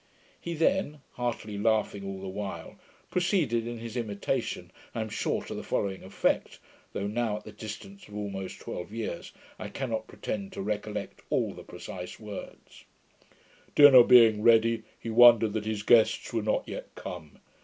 He then (heartily laughing all the while) proceeded in his imitation, I am sure to the following effect, though now, at the distance of almost twelve years, I cannot pretend to recollect all the precise words: 'Dinner being ready, he wondered that his guests were not yet come.